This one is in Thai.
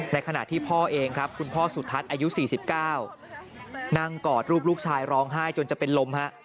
ขณะที่พ่อเองครับคุณพ่อสุทัศน์อายุ๔๙นั่งกอดรูปลูกชายร้องไห้จนจะเป็นลมฮะ